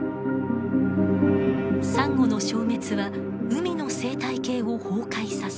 サンゴの消滅は海の生態系を崩壊させ